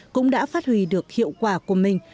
cũng đã phát huy được hiệu quả của mình